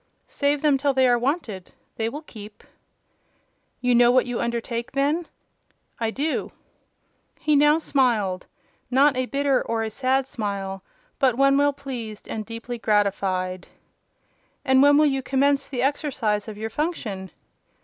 "Save them till they are wanted. They will keep." "You know what you undertake, then?" "I do." He now smiled: and not a bitter or a sad smile, but one well pleased and deeply gratified. "And when will you commence the exercise of your function?"